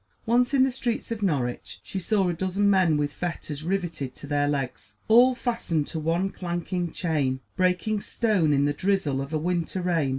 Once, in the streets of Norwich she saw a dozen men with fetters riveted to their legs, all fastened to one clanking chain, breaking stone in the drizzle of a winter rain.